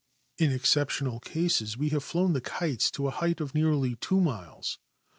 In exceptional cases we have flown the kites to a height of nearly two miles.